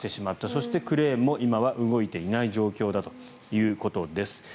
そしてクレーンも今は動いていない状況だということです。